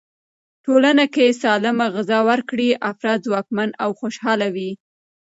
ټولنه که سالمه غذا ورکړي، افراد ځواکمن او خوشحاله وي.